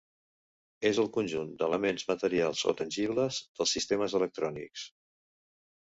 És el conjunt d'elements materials o tangibles dels sistemes electrònics.